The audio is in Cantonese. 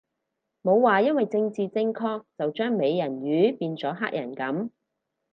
冇話因為政治正確就將美人魚變咗黑人噉